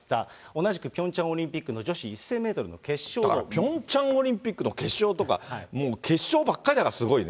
同じくピョンチャンオリンピックピョンチャンオリンピックの決勝とか、もう決勝ばっかりだからすごいね。